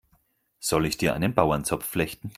Soll ich dir einen Bauernzopf flechten?